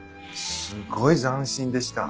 すごい斬新でした。